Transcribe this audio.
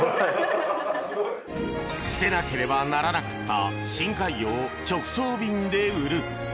捨てなければならなかった深海魚を直送便で売る。